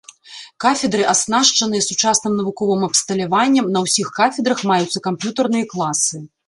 Кафедры аснашчаныя сучасным навуковым абсталяваннем, на ўсіх кафедрах маюцца камп'ютарныя класы.